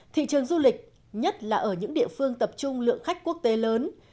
thị trường du lịch nhất là ở những địa phương tập trung lượng khách quốc tế lớn